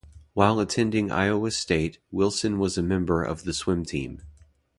While attending Iowa State, Wilson was a member of the swim team.